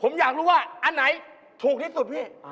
ผมอยากรู้ว่าอันไหนถูกที่สุดพี่